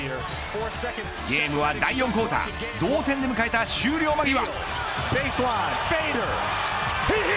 ゲームは第４クオーター同点で迎えた終了間際。